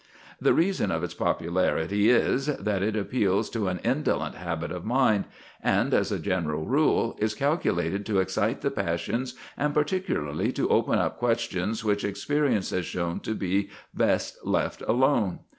The reason of its popularity is, that it appeals to an indolent habit of mind, and, as a general rule, is calculated to excite the passions, and particularly to open up questions which experience has shown to be best left alone.